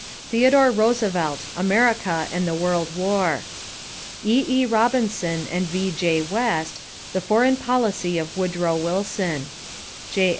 Theodore Roosevelt, America and the World War. E.E. Robinson and V.J. West, The Foreign Policy of Woodrow Wilson. J.